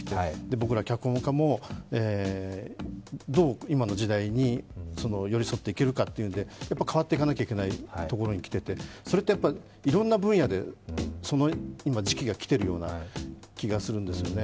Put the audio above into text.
僕ら脚本家もどう今の時代に寄り添っていけるかというんで、変わっていかなきゃいけないところにきていて、それってやっぱりいろんな分野でその時期が来てるような気がするんですよね。